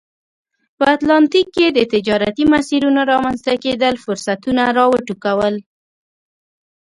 په اتلانتیک کې د تجارتي مسیرونو رامنځته کېدل فرصتونه را وټوکول.